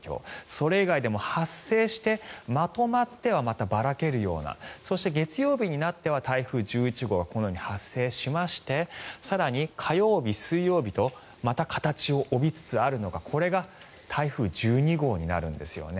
それ以外でも発生してまとまってはまたばらけるようなそして月曜日になっては台風１１号がこのように発生しまして更に火曜日、水曜日とまた形を帯びつつあるのがこれが台風１２号になるんですよね。